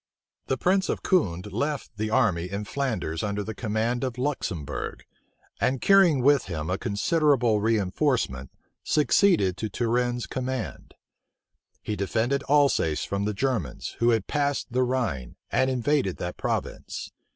The prince of Condé left the army in Flanders under the command of Luxembourg; and carrying with him a considerable reënforcement, succeeded to Turenne's command. He defended Alsace from the Germans, who had passed the Rhine, and invaded that province.